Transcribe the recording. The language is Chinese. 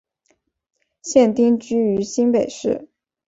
现定居于新北市。